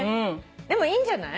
でもいいんじゃない？